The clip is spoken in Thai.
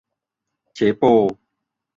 เฉโป ?